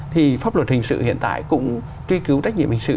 thì pháp luật hình sự hiện tại cũng truy cứu trách nhiệm hình sự